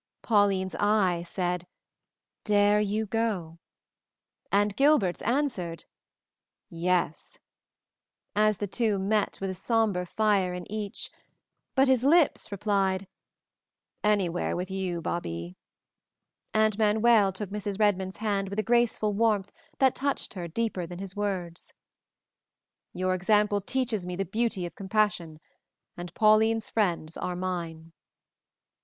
Pauline's eye said, "Dare you go?" and Gilbert's answered, "Yes," as the two met with a somber fire in each; but his lips replied, "Anywhere with you, Babie," and Manuel took Mrs. Redmond's hand with a graceful warmth that touched her deeper than his words. "Your example teaches me the beauty of compassion, and Pauline's friends are mine."